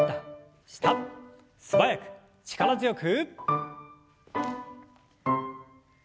素早く力強く。